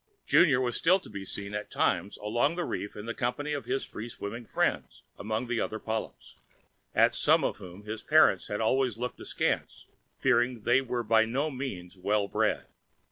Junior was still to be seen at times along the reef in company with his free swimming friends among the other polyps, at some of whom his parents had always looked askance, fearing they were by no means well bred.